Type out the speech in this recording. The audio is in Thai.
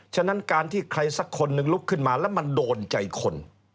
ฉะนั้นการที่ใครสักคนหนึ่งลุกขึ้นมาแล้วมันโดนใจคน